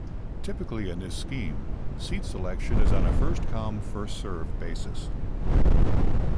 Typically in this scheme, seat selection is on a first-come, first-served basis.